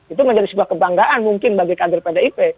itu menjadi sebuah kebanggaan mungkin bagi kader pdip